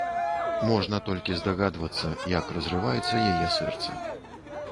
Можна толькі здагадвацца, як разрываецца яе сэрца.